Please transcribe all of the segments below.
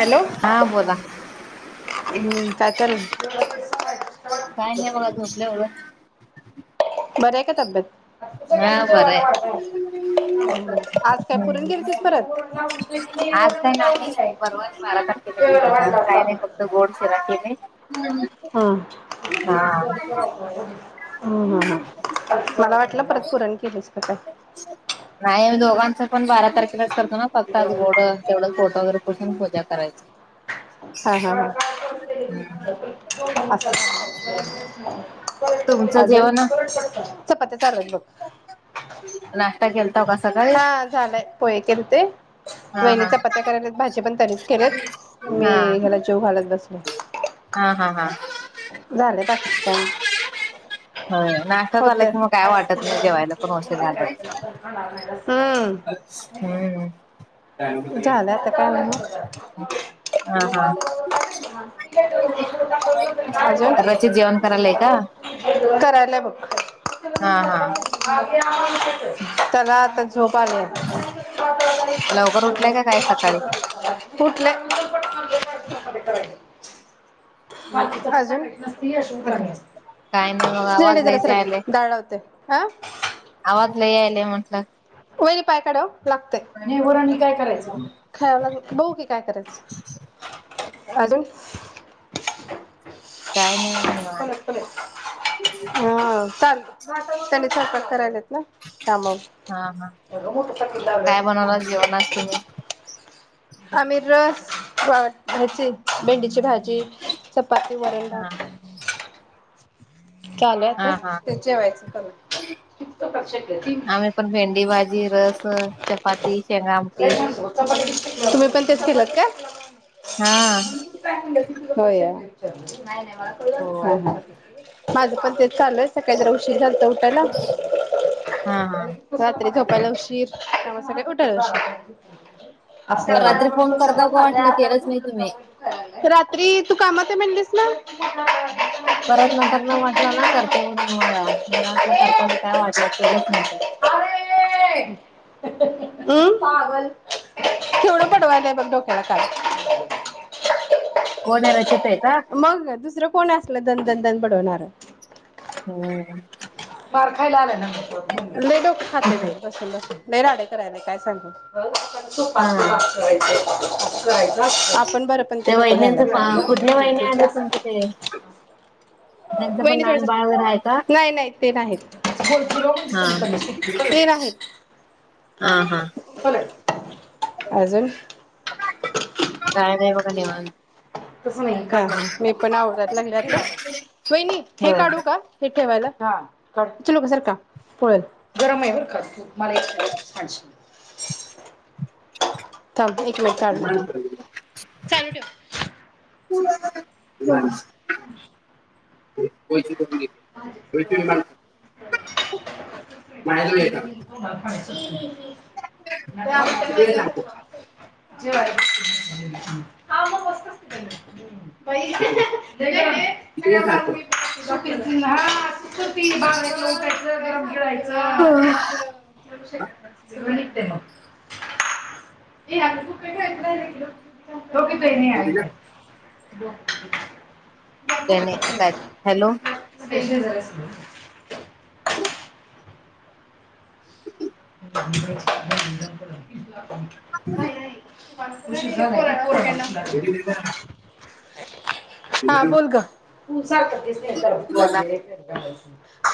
Hello हा बोला. काय चाललय. काय नाही बघा झोपले एवढं. बरंय का तब्येत? हा बरंय. आज काय पुरण हम्म. केलतीस परत आज काय नाही परवाच बारा तारखेला केलेला आज काय नाही फक्त गोड शिरा केले. हम् हा हम् हम् हम मला वाटल नाही मी दोघांच पण बारा तारखेलाच करतो ना फक्त आज गोड तेवढं फोटो वगैरे पुजून पूजा आता करायचं हा हा अस झालंय व्हय [inaudible] तुमचं अजून जेवण चपात्याच [unintelligible] नाश्ता केलता का सकाळी? हा झालंय पोहे केलते हा वहिनी हा चपात्या करायलेत भाजी पण तेनीच केलेत मी हा याला जीवू घालत बसले. हा हा हा झालय बाकीच काय नाही? ह नाश्ता झाला होतंय कि मग काय वाटत नाही जेवायला पण उशीर झाला की हम्म हम झालं आता काय मअजून हा हा अजून रचित जेवण करायलय का? लय बघ [inaudible] हा हा त्याला आता झोप झोप आलीया लवकर उठलाय का काय सकाळी [unintelligible] तुटलय [unintelligible] ती नसती काय नाही मग आवाज शिवानी जरा लईच सरक यायलाय डाळ लावते. आ आवाज लई यायलाय म्हटलं ओ हे पाय काढा ओ. लागतय नाय वरण ही काय करायचं खायला लागलोय बघू की काय करायच अजुन [inaudible] काय नाही बघा निवांत परस्पर हाय, हां चालतय त्याने चपल करायल्यात. न का मग हा काय बनवलास जेवण आज तुम्ही? आम्ही रस अ ह्याची भेंडीची भा जी चपाती, वरण, हा भात. चालू आता हा हा ते जेवायचं करतोय [inaudible] तीन चपाती आम्ही पण भेंडी भाजी रस चपाती शेंगा आमटी किती चे तुम्ही पण तेच केलत काय हा होय या. [unintelligible] नाय नाय हो हा, हा माझं पण तेच चाललोय सकाळी जरा उशीर झालत उठाला हा हा रात्री झोपायला उशीर हा मग सगळे कुठं? अस झालं रात्री फोन करता का वाटलं केलंच नाही तुम्ही रात्री तू कामत आहे मनालिस ला परत नंतर तुला वाटलं ना करते म्हणून मला वाटलं करताना काय वाटलं केलंच नाही काय. केवड बडवालय बघ डोक्याला ताप कोणालाच येतंय का? दुसरं कोण असलं दणदण, दणदण बडवणार. हा हम्म मार खायला आलाय ना लय डोकं खातय बाई बसून बसून लय राडे करायलय काय सांगू हा आपण बरं पण ते केल........ वहिन्यांचं कुठले वहिने आले तुमचे ते [unintelligible] त्यांचं पण वहिनी थोड लहान बाळ वगैरे आहे का? सरका नाही नाही ते नाहीत ते हा नाहीत. हा हा ह [inaudible] अजून काय नाही बघा निवांत. मी पण आवराय लागले आता वहिनी हे होय. काढू का हे ठेवायला हा थोडसं सरका पोळल गरम आहे बरका मला एक थांब....... एक मिनट चालू ठेव चालू ठेव [unintelligible] [unintelligible] [inaudible] हम्म..... [inaudible] [inaudible] [unintelligible] सगळ माझ मी पाहून...... हा [inaudible] [unintelligible] [inaudible] टोक देणे आये है ब [inaudible] हॅलो [unintelligible] [unintelligible] [inaudible] [unintelligible] [inaudible] नाही ऐकताय नाही [inaudible] [inaudible] हा बोल ग........ बोला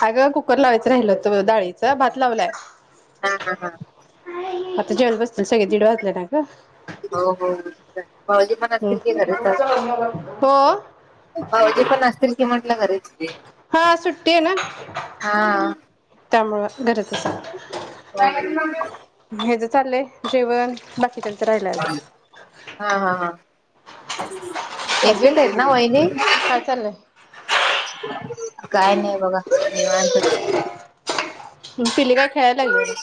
अगं कुकर लावायचं राहिल होत डाळीचा भात लावलाय. हा हा हा आता जेवायला बस सगळे दीड वाजले ना ग... हो हो भाऊजी पण हो असतील की घरीच हो भाऊजी पण असतील कि म [inaudible] हा सु्टी ना त्यामुळ घरातच. आहे. [unintelligible] ह्याच चाललंय... जेवण बाकीच्यांच राहिलंय अजून अजून एकटच आहेत ना वहिनी काय चाललंय? काय नाय बघा निवांतच तू पिली काय? खेळायला लागलीय का?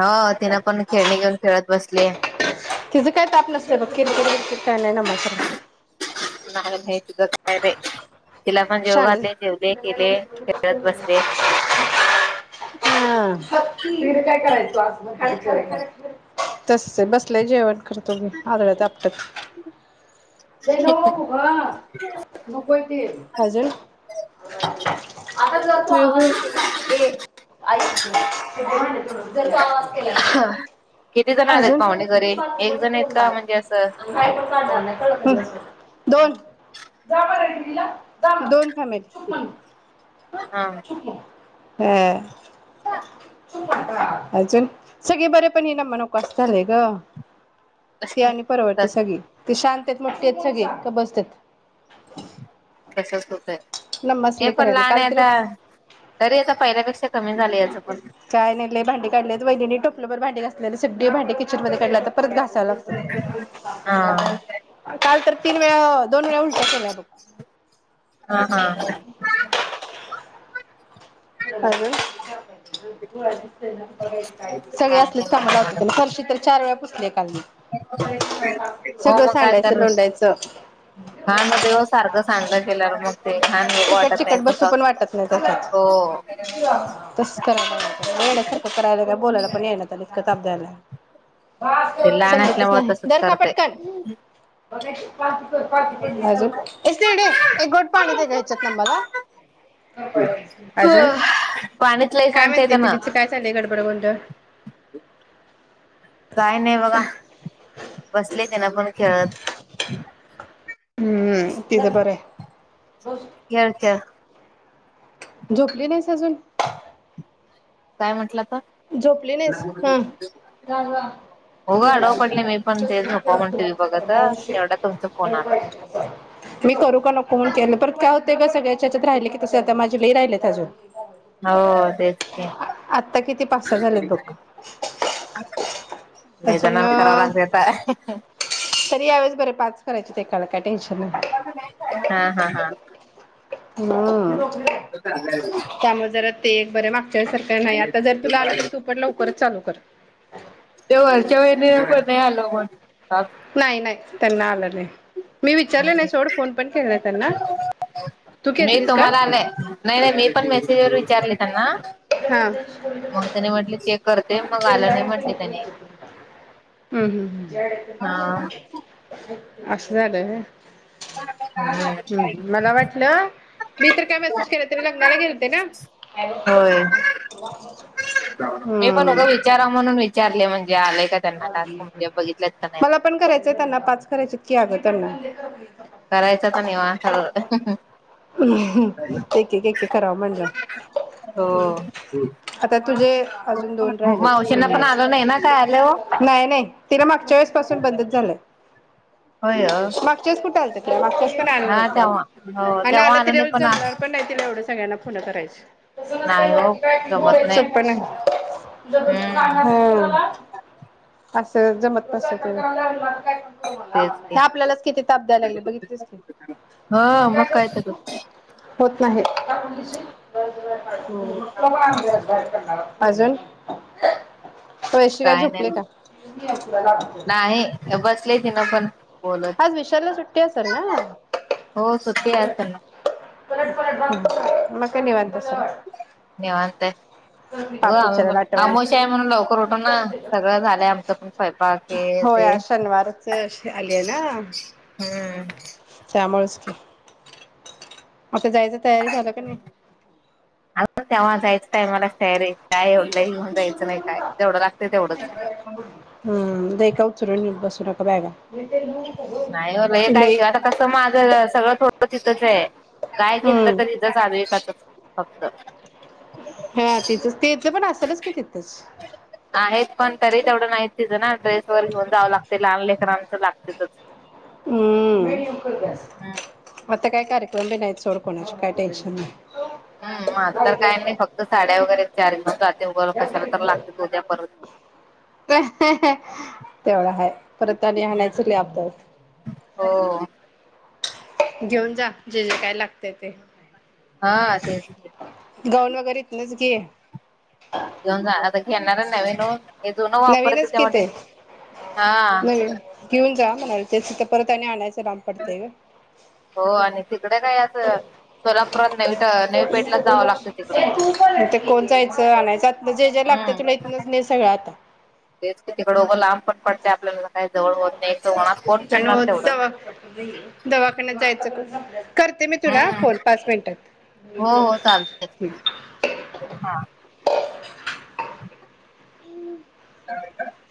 हो तिन पण खेळणी घेऊन खेळत..... बसले तिचं काय ताप नसतय बघ किरकिरकिर काय नाय नमा सारखं नाही [inaudible] [inaudible] घातले, जेवले, केले, खेळत बसले. तस बसलंय जेवत करतोे बी आदळत आपटत. [inaudible] दे नव्ह फुगा. कोणतेय अजून आता जर तो आवाज केलास..... [inaudible] अह किती जण आलेत अजून पाहुणे घरी बाथरूम एक मध्ये जण येत तोडणार आहे. म्हणजे असं आणि बाहेर पण काढणार कोण? नाही दोन जा म्हण दीदी ला जा दोन [inaudible] फॅमली तू पण हा. तू पण हा.... [inaudible] अजून.. सगळी बरे पण ये ना लोकांस नको झालंय ग. तस ते आणि परवडते सगळी सुशांत.. तेच म्हत्यांत सगळे का बस्त्यात.. कसच होतंय हे पण करायले लहान काल आहे तर आता तरी आता पहिल्यापेक्षा कमी झालं याच पण [unintelligible] बर भांडी घासलेली सग भांडी, किचन मध्ये काढल्या आता तर परत घासावं लागतं हा. काल तर तीन वेळा, दोन वेळा, उलट्या केल्या बघ. हां अग सगळी काय आसलीच नाही काम बघा लावत्यात निवांत. तेला फर्शी तर चार वेळा पूस हो सगळं मग काय सांडायचं तर, लोंडायचं घाण होते हो सारखं सांडलं गेल्यावर, मग ते घाण बघू चिकट वाटत नाही अस हो. तस, करायला वेड्यासारखं करायला लागला बोलायला पण यायना त्याले. किताब द्यायला ते लहान समजतच असल्यामुळे नाही, तसच धर खा करते. पटकन. आजुन, ए [unintelligible] एक घोट पाणी दे ग हेच्यातन मला. हो अजून पाणीच, लई काय सांडते त म्हणते मं पिलीचं काय चाललंय गडबड गोंधळ काय नाही बघा बसली. दे त्यान्ला पण खेळत हम्म तिझ बर आहे. खेळ खेळ. झोपली नाहीस अजून. काय, म्हटलं त झोपली नाहीस हा, हो ग आडव पडले मी पण ते झोपा म्हण टीव्ही बघत तेवढा तुमचा फोन आला मी करू का नको म्हणून केलं पर काय हो ते काय सगळ्याच्या हेच्यात राहील की तस अता माझे लई राहिलेत अजून हो तेच की आत्ता किती पाच सहा झालेत बघ. लयी, अजून जनाव कराव लागतय आता. तरी यावेळेस बरे पाच करायचे ते त्याला काय टेंशन नाय हा हा ह त्यामुळे जरा ते एक बरे वाग सरक नाही आता, जरी तुला आल तरी हा तू पण लवकरच चालू कर. ते वरच्या वहिनीला पण नाही आलं पण टास्क. नाही नाही त्यांना आला नाही? मी विचारले हम्म नाही सोड फोन पण केला नाही. त्यांना तू मी केलतीस का? तुम्हाला आ नाही नाही मी पण मेसेज वर विचारले त्यांना हा. मग त्यानी म्हटले चेक करते मग आलं नाही म्हटले त्यानी हां. अस झालं व्हय हम्म, मला वाटलं मी तर काय मेसेज केला तरी लग्ना, ला गेलते ना होय हम्म. रिकामा ऑडिओ [unintelligible] मला पण करायचय त्यांना पाच करायचेत की अगं [unintelligible] [unintelligible] करायचा तर निवांत सगळ एक एक एक एक करावं म्हणलं. [unintelligible] हो आता तुझे अजून मावशीना पण आल नाही ना काय आल? नाय नाय तिला मागच्या वेळेस पासून बंदच झालय होय हो. मागच्यावेळेस कुठ आलत? मागच्या वेळेस पण आल हा नव्हत तेव्हा हो आण आला तेव्हा आलं तिला नाही जमणार पण नाही तिला एवढं सगळ्यांना फोनं करायच तसं नसतंय नाही ओ होत जमत बोलायचं सोपं नाही [unintelligible] हम्म होय अस जमत नसत ते [unintelligible] तेच की. [unintelligible] आपल्यालाच किती ताप द्यायला लागले बघितलेस की, मग काय करशील तू? होत नाही. [unintelligible] [unintelligible] अजून [inaudible] वैभवी काय झोप [unintelligible] नाही मग. का नाही बसले तिनं पण बोलत आज विशालला सुट्टी असेल ना? हो सुट्टी [inaudible] आहे आज त्यांना पलट रिकामा ऑडिओ काय निवांत असलं निवांत आहे. [unintelligible] अगं पाप आम्ही बिचाऱ्याला पण आठवण [unintelligible] झालय आमच पण स्वयंपाक हे होय ते आज शनिवारच आलीये ना हम्म त्यामुळेच आता जायच तयारी झाल का नाई अगं तेव्हा जायचं टायमालाच तयारी काय एवढं? लई घेऊन जायचं नाही काय जेवढं लागतंय तेवढंच. हम्म देख [inaudible] [unintelligible] नाही ओ लय पाहिजे आता कस माझ सगळ थोडं तिथच आहे काय घेतल हम्म तर तिथच एकातच फक्त हा तिचच तेच पण असेलच कि तिथच तिच ना ड्रेस वर घेऊन जाव लागतय लहान लेकरांच लागतेतच हम्म हम्म. [unintelligible] आता काय कार्यक्रम बी नाहीत सोड कोणाचे काय टेन्शन नाय हम् माझ तर काय नाय फक्त साड्या वगैरे चार पाच झालं गॅस बारीक कर [unintelligible] तेवढ हाय परत आणि हाणायच लय आपण [inaudible] हो. जेऊन जा जे जे काय लागतय ते हा तेच की [unintelligible] [inaudible] गाऊन वगैरे इतनच घे घेऊन जा आता घेणार नवीन हो. हे जुनं वापरते नवीनच कि तेव्हाच दे ते. हा नवीन [unintelligible] घेऊन जा म्हणाले तेच तर परत आणि आणाच. हो आणि तिकडे काय अस? पेठलाच जावं लागतं तिकडं. ते कोण जायचं आणायचं आत म्हणजे जे लागत हम्म. तुला इतनच ने सगळं आत. [inaudible] तेच ते तिकड लांब पण पडतेय आपल्याला. काही जवळ होत नाही एक तर उन्हात कोण फिरणार आणि तेवढं. दवा दवाखान्यात जायचं कस? [inaudible] करते मी तुला हम्म. फोन पाच मिनटात हो हो चालते. हम ह [unintelligible]